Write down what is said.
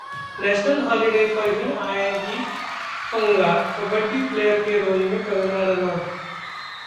national holiday पर ही आएगी पंगा, कबड्डी प्लेयर के रोल में कंगना रनौत